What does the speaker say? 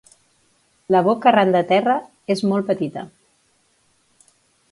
La boca, ran de terra, és molt petita.